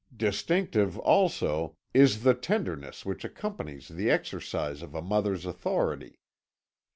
Distinctive, also, is the tenderness which accompanies the exercise of a mother's authority.